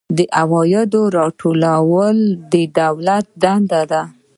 د عوایدو راټولول د دولت دنده ده